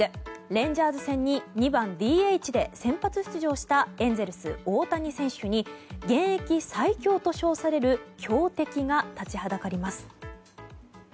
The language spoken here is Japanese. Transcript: レンジャーズ戦に２番ＤＨで先発出場したエンゼルス、大谷選手に現役最強と称される強敵が立ちはだかります。